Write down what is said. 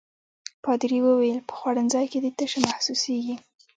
پادري وویل: په خوړنځای کې دي تشه محسوسيږي.